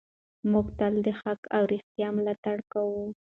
موږ تل د حق او رښتیا ملاتړ کوو.